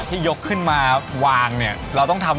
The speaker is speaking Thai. มีชื่อว่าแรงบิดพิชิตใจนะครับว่า